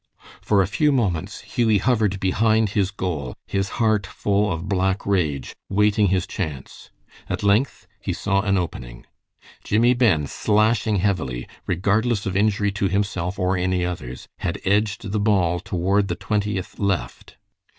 For a few moments Hughie hovered behind his goal, his heart full of black rage, waiting his chance. At length he saw an opening. Jimmie Ben, slashing heavily, regardless of injury to himself or any others, had edged the ball toward the Twentieth left.